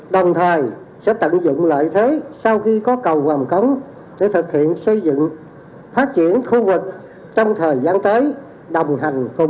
trong thời gian tới đồng hành cùng với sự phát triển chung của cả nước